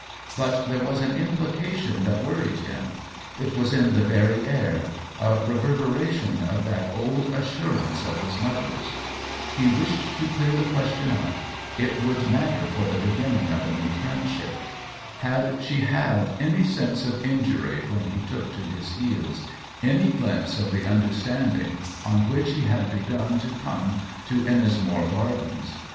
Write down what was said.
But there was an implication that worried him — it was in the very air, a rever beration of that old assurance of his mother's. He wished to clear the question up — it would matter for the beginning of a new I THE WHEEL OF TIME 63 friendship. Had she had any sense of injury when he took to his heels, any glimpse of the understanding on which he had begun to come to Ennismore Gardens